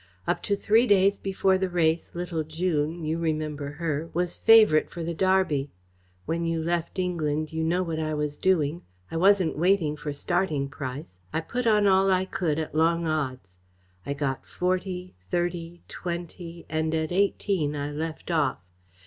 Up to three days before the race Little June you remember her was favourite for the Derby. When you left England you know what I was doing. I wasn't waiting for starting price. I put on all I could at long odds. I got forty, thirty, twenty, and at eighteen I left off.